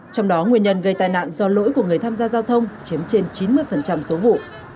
trong đó nguyên nhân gây tai nạn do lỗi của người tham gia giao thông chiếm trên chín mươi số vụ